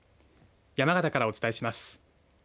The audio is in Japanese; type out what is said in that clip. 山形からお伝えします。